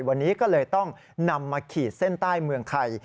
วันนี้ก็เลยต้องนำมาขีดเส้นใต้เมืองไทย